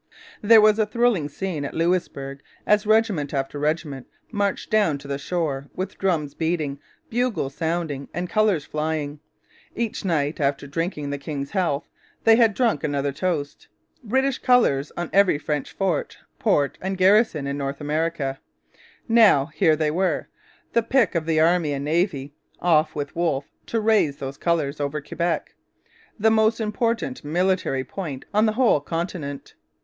There was a thrilling scene at Louisbourg as regiment after regiment marched down to the shore, with drums beating, bugles sounding, and colours flying. Each night, after drinking the king's health, they had drunk another toast 'British colours on every French fort, port, and garrison in North America.' Now here they were, the pick of the Army and Navy, off with Wolfe to raise those colours over Quebec, the most important military point on the whole continent.